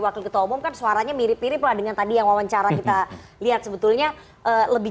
wakil ketua umum kan suaranya mirip mirip lah dengan tadi yang wawancara kita lihat sebetulnya lebih